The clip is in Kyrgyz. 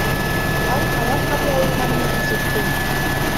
Ал алар кабыл алынганын көрсөттү.